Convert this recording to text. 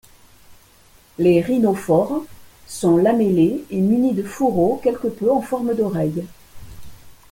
Les rhinophores sont lamellés et munis de fourreaux quelque peu en forme d'oreilles.